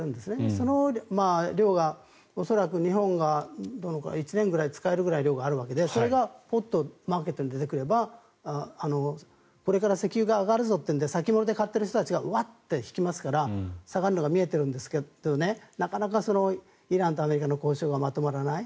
その量が恐らく日本が１年くらい使える量があるわけで、それがマーケットに出てくればこれから石油が上がるぞということで先物で買っている人たちが引きますから下がるのが見えてるんですけどなかなかイランとアメリカの交渉がまとまらない。